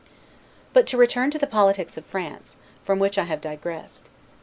But to return to the politics of France, from which I have digressed.